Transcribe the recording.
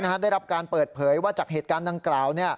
ได้รับการเปิดเผยว่าจากเหตุการณ์ดังกล่าว